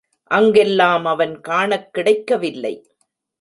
அங்கெல்லாம் அவன் காணக் கிடைக்கவில்லை.